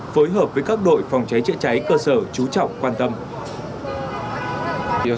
phối hợp với các đội phòng cháy chữa cháy cơ sở trú trọng quan tâm